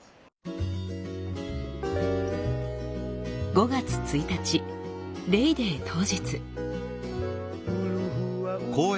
５月１日レイ・デー当日。